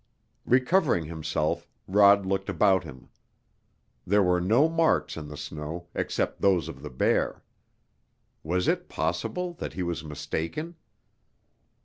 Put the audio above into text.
Recovering himself, Rod looked about him. There were no marks in the snow except those of the bear. Was it possible that he was mistaken?